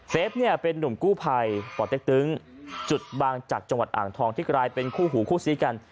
ฟเนี่ยเป็นนุ่มกู้ภัยป่อเต็กตึงจุดบางจักรจังหวัดอ่างทองที่กลายเป็นคู่หูคู่ซีกัน